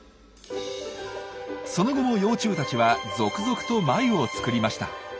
その後も幼虫たちは続々と繭を作りました。